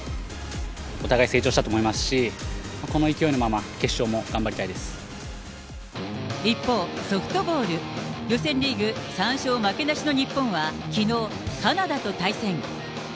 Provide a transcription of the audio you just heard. お互い成長したと思いますし、この勢いのまま、一方、ソフトボール、予選リーグ３勝負けなしの日本はきのう、カナダと対戦。